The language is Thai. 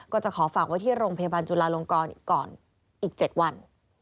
ก็จะขอฝากไว้ที่โรงพยาบาลจุลาลงกรอีกก่อนอีก๗วัน